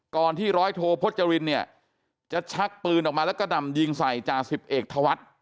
ที่ร้อยโทพจรินเนี่ยจะชักปืนออกมาแล้วก็ดำยิงใส่จ่าสิบเอกธวัฒน์